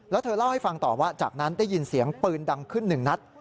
แล้วเธอเล่าให้ฟังต่อว่าจากนั้นได้ยินเสียงปืนดังขึ้นหนึ่งนัด